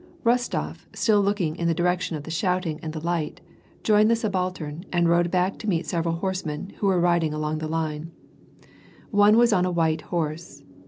Rostof, still looking in the direction of the shouting and the light, joined the subaltern and rode back to meet several horsemen, who were riding along the line. One was on a white horse.